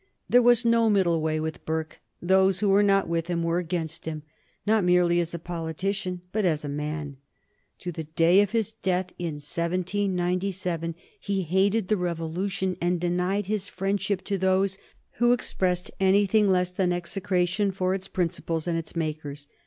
There was no middle way with Burke. Those who were not with him were against him, not merely as a politician, but as a man. To the day of his death, in 1797, he hated the Revolution and denied his friendship to those who expressed anything less than execration for its principles and its makers.